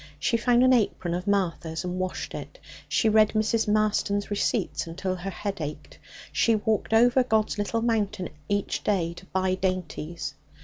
She found an apron of Martha's and washed it; she read Mrs. Marston's receipts till her head ached; she walked over God's Little Mountain each day to buy dainties.